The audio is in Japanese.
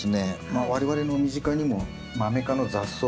我々の身近にもマメ科の雑草